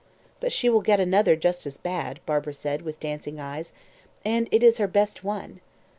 "But she will get another just as bad," Barbara said, with dancing eyes. "And it is her best one!"